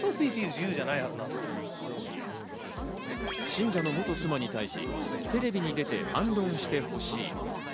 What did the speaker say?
信者の元妻に対し、テレビに出て反論してほしい。